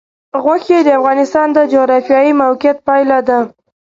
غوښې د افغانستان د جغرافیایي موقیعت پایله ده.